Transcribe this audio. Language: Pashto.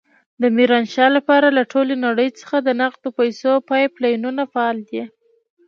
د ميرانشاه لپاره له ټولې نړۍ څخه د نقدو پيسو پایپ لاینونه فعال دي.